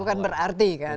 bukan berarti kan